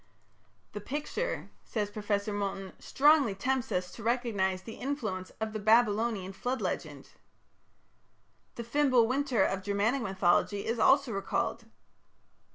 "The picture", says Professor Moulton, "strongly tempts us to recognize the influence of the Babylonian Flood Legend." The "Fimbul winter" of Germanic mythology is also recalled.